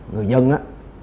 người dân á